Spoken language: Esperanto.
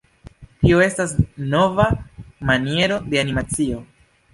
Tio estas nova maniero de animacio.